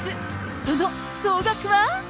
その総額は。